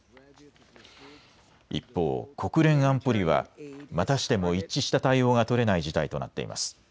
一方、国連安保理はまたしても一致した対応が取れない事態となっています。